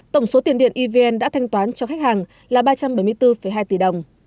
tổng số tiền điện evn đã thanh toán cho khách hàng là ba trăm bảy mươi bốn hai tỷ đồng